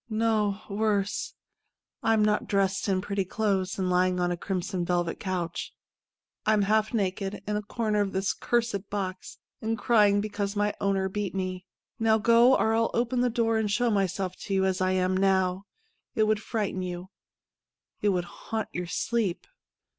' No, worse. I'm not dressed in pi'etty clothes, and lying on a crim son velvet couch. I'm half naked, in a corner of this cursed box, and .crying because my owner beat me. Now go, or I'll open the door and show m3^self to you as I am now. It would frighten you ; it would haunt your sleep.'